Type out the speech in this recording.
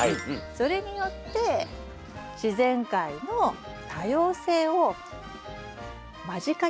それによって自然界の多様性を間近に見ることができます。